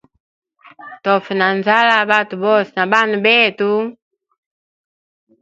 Tofa na nzala bwatwe bose na bana betu.